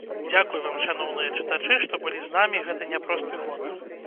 Дзякуй вам, шаноўныя чытачы, што былі з намі гэты няпросты год!